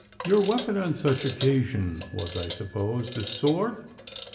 'Your weapon on such occasions was, I suppose, the sword?